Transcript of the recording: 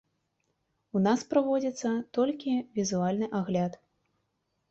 У нас праводзіцца толькі візуальны агляд.